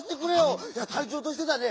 たいちょうとしてだね